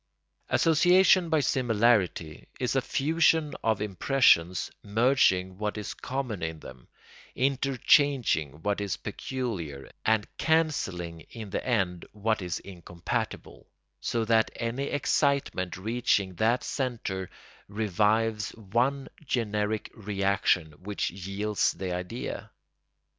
] Association by similarity is a fusion of impressions merging what is common in them, interchanging what is peculiar, and cancelling in the end what is incompatible; so that any excitement reaching that centre revives one generic reaction which yields the idea.